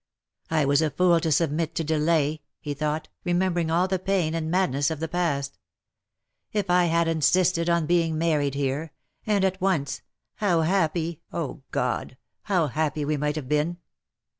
" I was a fool to submit to delay/^ he thought, remembering all the pain and madness of the past. " If I had insisted on being married here — and at once — how happy — oh God !— how happy we might have been.